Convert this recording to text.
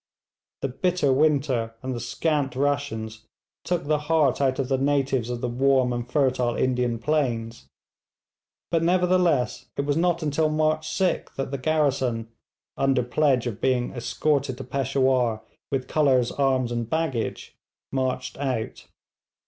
The bitter winter and the scant rations took the heart out of the natives of the warm and fertile Indian plains; but nevertheless it was not until March 6th that the garrison, under pledge of being escorted to Peshawur with colours, arms, and baggage, marched out.